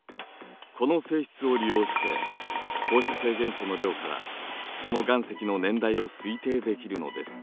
この性質を利用して放射性元素の量からその岩石の年代を推定できるのです。